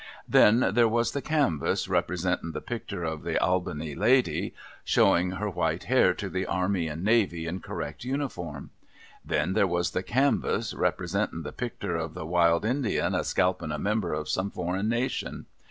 Then, there was the canvass, re])resentin the picter of the Albina lady, showing her white air to the Army and Navy in correct uniform. Then, there was the canvass, representin the picter of the A\'ild Indian a scalpin a member of some foreign nation.